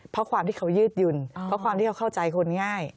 เพราะความที่เขายืดหยุ่นเพราะความที่เขาเข้าใจคนง่าย